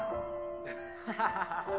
ハハハハ